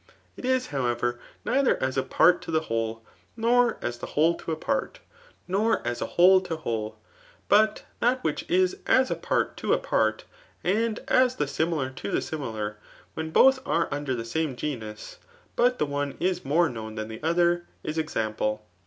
It is, howievtr, neither as a part to the whol^ nor as the whole to a part, nor as whole to whole ; but thai which is as a part to a part, and as the similar to the simi|ar» irtMO both are under the same genus, l^it the om is m^m known than the other, is example.